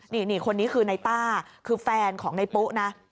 นี่คนนี้คือในต้าคือแฟนของในปุ๊นะ